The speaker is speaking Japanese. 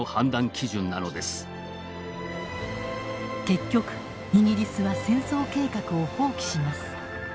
結局イギリスは戦争計画を放棄します。